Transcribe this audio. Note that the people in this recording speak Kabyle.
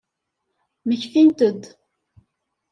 Mmektint-d.